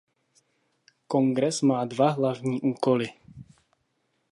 Kongres má dva hlavní úkoly.